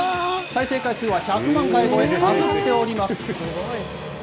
再生回数は１００万回超え、バズっております。